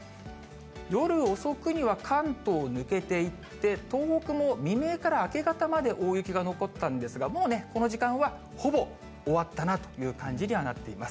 夜遅くには関東抜けていって、東北も未明から明け方まで大雪が残ったんですが、もうね、この時間はほぼ終わったなという感じにはなっています。